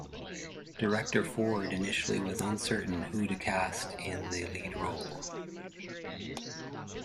Director Ford initially was uncertain who to cast in the lead role.